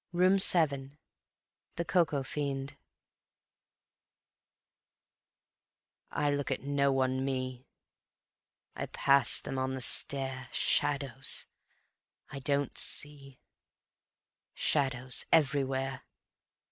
_ Room 7: The Coco Fiend I look at no one, me; I pass them on the stair; Shadows! I don't see; Shadows! everywhere.